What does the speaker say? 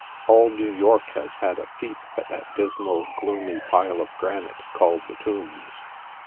All New York has had a peep at that dismal, gloomy pile of granite, called the Tombs.